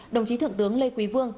đồng chí thượng tướng lê quý vương